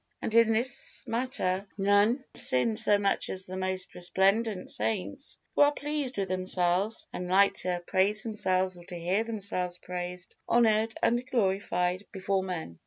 And in this matter none sin so much as the most resplendent saints, who are pleased with themselves and like to praise themselves or to hear themselves praised, honored and glorified before men.